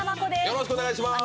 「よろしくお願いします」